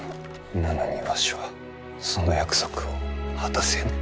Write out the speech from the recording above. なのにわしはその約束を果たせぬ。